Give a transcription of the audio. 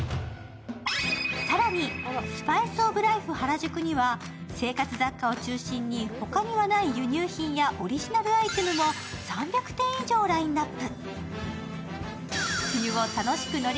更に、ＳＰＩＣＥｏｆＬｉｆｅＨＡＲＡＪＵＫＵには生活雑貨を中心に他にはない輸入品やオリジナルアイテムも３００点以上ラインナップ。